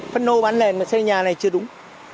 phân lô bán nền mà xây nhà này chưa đúng